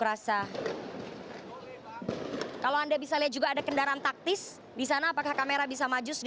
waktu indonesia barat